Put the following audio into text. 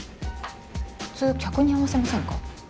普通客に合わせませんか？